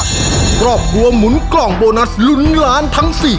ครอบครัวของแม่ปุ้ยจังหวัดสะแก้วนะครับ